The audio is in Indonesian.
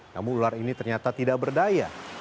namun ular ini ternyata tidak berdaya